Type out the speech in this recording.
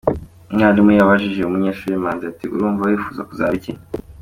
Umwarimu yabajije umunyeshuri Manzi ati "urumva wifuza kuzaba iki?.